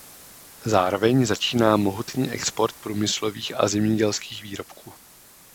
Zároveň začíná mohutný export průmyslových a zemědělských výrobků.